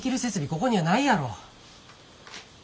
ここにはないやろ。